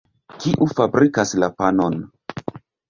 Kiu fabrikas la panon?